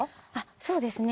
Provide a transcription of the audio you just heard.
そうですね。